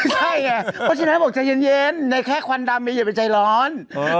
ใช่ไงเพราะฉะนั้นบอกใจเย็นในแค่ควันดำอย่าไปใจร้อน